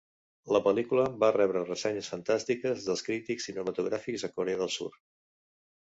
La pel·lícula va rebre ressenyes fantàstiques dels crítics cinematogràfics a Corea del Sur.